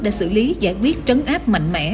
đã xử lý giải quyết trấn áp mạnh mẽ